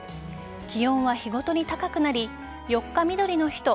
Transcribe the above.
気温は日ごとに高くなり４日みどりの日と